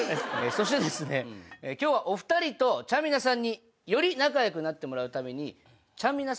そしてですね今日はお二人とちゃんみなさんにより仲良くなってもらうために。